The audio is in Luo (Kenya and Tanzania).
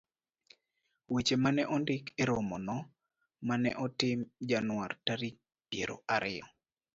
Weche ma ne ondik e romono ma ne otim Januar tarik piero ariyo,